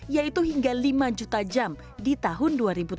yaitu hingga lima juta jam di tahun dua ribu tujuh belas